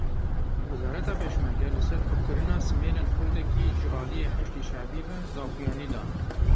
Wezareta Pêşmerge li ser kurkirina simêlên Kurdekî ji aliyê Heşdî Şeibî ve daxuyanî da.